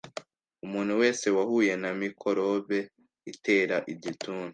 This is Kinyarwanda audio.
umuntu wese wahuye na mikorobe itera igituntu